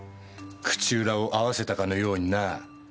口裏を合わせたかのようにな。